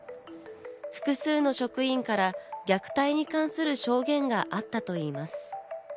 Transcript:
複数の職員から虐待に関する証言があったといいます。